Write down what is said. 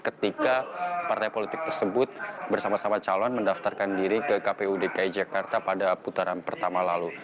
ketika partai politik tersebut bersama sama calon mendaftarkan diri ke kpu dki jakarta pada putaran pertama lalu